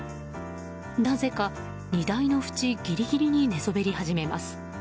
なぜか荷台の縁ギリギリに寝そべり始めます。